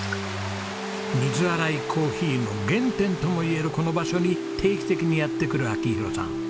水洗い珈琲の原点ともいえるこの場所に定期的にやって来る明宏さん。